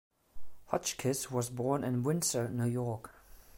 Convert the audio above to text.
Hotchkiss was born in Windsor, New York.